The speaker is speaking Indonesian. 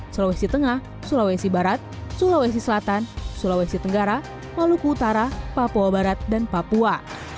sulawesi tengah sulawesi barat sulawesi selatan sulawesi tenggara maluku utara papua barat dan papua